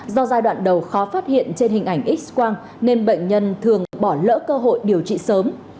do giai đoạn đầu khó phát hiện trên hình ảnh x quang nên bệnh nhân thường bỏ lỡ cơ hội điều trị sớm